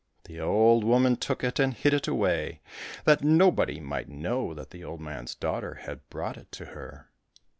The old woman took it and hid it away, that nobody might know that the old man's daughter had brought it to her.